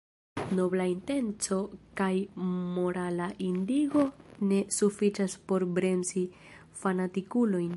Nobla intenco kaj morala indigno ne sufiĉas por bremsi fanatikulojn.